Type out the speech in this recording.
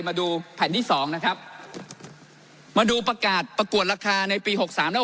มาดูแผ่นที่๒นะครับมาดูประกาศประกวดราคาในปี๖๓๖๔